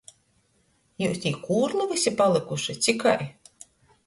Jius tī kūrli vysi palykuši ci kai?